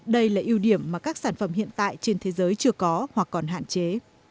đây là ưu điểm mà các sản phẩm hiện tại trên thế giới chưa có hoặc còn hạn chế